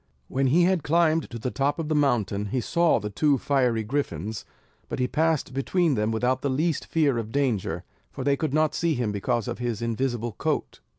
When he had climbed to the top of the mountain, he saw the two fiery griffins; but he passed between them without the least fear of danger; for they could not see him because of his invisible coat.